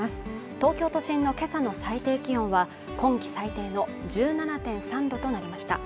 東京都心の今朝の最低気温は今季最低の１７．３度となりました